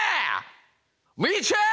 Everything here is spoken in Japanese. みいちゃん！